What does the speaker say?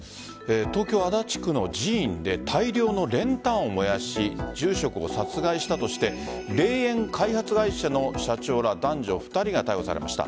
東京・足立区の寺院で大量の練炭を燃やし住職を殺害したとして霊園開発会社の社長ら男女２人が逮捕されました。